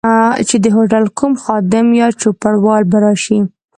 چي د هوټل کوم خادم یا چوپړوال به راشي.